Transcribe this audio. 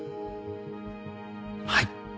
はい。